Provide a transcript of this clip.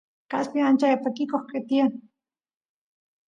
kaspi ancha pakikoq tiyan